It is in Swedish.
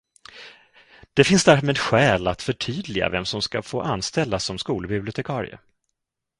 Det finns därmed skäl att förtydliga vem som ska få anställas som skolbibliotekarie.